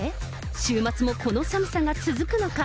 週末もこの寒さが続くのか。